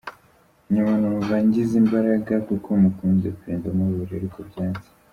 nyuma numva ngize imbaraga kuko mukunda pe; ndamubabarira ariko byanze.